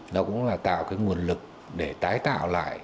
nó cũng là tạo cái nguồn lực để tái tạo lại